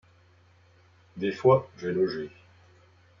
Des fois j’ai logé